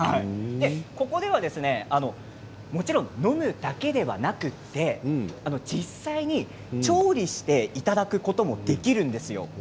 ここではもちろん飲むだけではなくて実際に調理をしていただくこともできるんですよ。